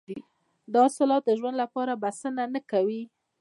دا حاصلات د ژوند لپاره بسنه نه کوله.